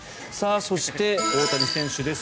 そして、大谷選手です。